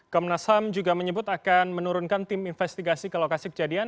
komnas ham juga menyebut akan menurunkan tim investigasi ke lokasi kejadian